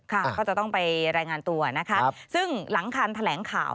ค่ะก็จะต้องไปรายงานตัวนะคะซึ่งหลังคาแถลงข่าว